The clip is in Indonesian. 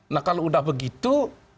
nah kalau sudah begitu